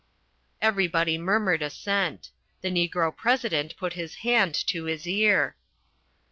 Everybody murmured assent. The Negro President put his hand to his ear.